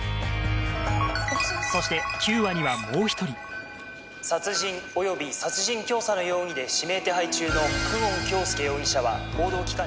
そして殺人および殺人教唆の容疑で指名手配中の久遠京介容疑者は報道機関に。